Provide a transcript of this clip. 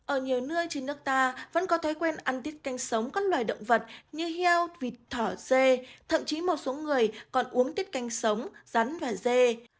ở nhiều nơi trên nước ta vẫn có thói quen ăn tiết canh sống các loài động vật như heo vịt thỏ dê thậm chí một số người còn uống tiết canh sống rắn và dê